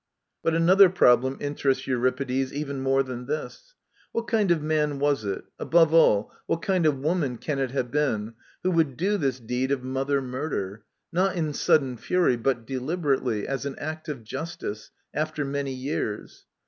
But another problem interests Euripides even more than this. What kind of man was it — above all, what kind of woman can it have been, who would do this deed of mother murder, not in sudden fury but deliberately, as an act of "justice," after many years